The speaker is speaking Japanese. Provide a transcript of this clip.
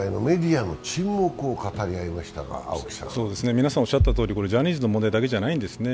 皆さんおっしゃったとおり、これジャニーズの問題だけじゃないんですね。